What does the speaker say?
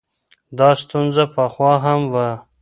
دا ستونزه پخوا هم وه.